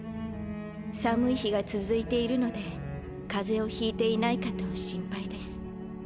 寒い日が続いているので風邪をひいていないかと心配です。